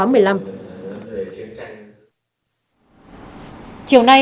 chiều nay tại